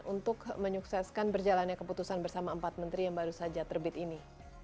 untuk menyukseskan berjalannya keputusan bersama empat menteri yang baru saja terbit ini